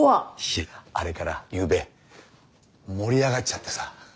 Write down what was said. いやあれからゆうべ盛り上がっちゃってさ。